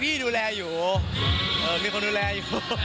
พี่ดูแลอยู่มีคนดูแลอยู่